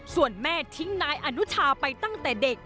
ส่วนแม่ทิ้งนายอนุชาไปตั้งแต่เด็ก